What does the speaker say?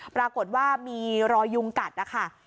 ปรากฏว่ามีรอยยุงกัดนะคะ